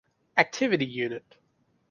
Activity Unit.